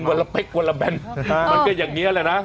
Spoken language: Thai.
มันก็อย่างนี้แหละนะ